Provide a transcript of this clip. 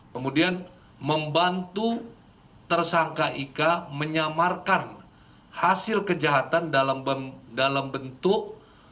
kemudian membantu tersangka ika menyamarkan hasil kejahatan dalam bentuk